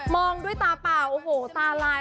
องด้วยตาเปล่าโอ้โหตาลาย